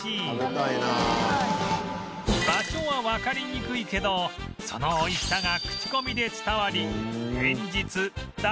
場所はわかりにくいけどその美味しさが口コミで伝わり連日大盛況！